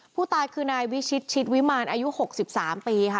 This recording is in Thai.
ผู้ตายคือนายวิชิตชิดวิมารอายุ๖๓ปีค่ะ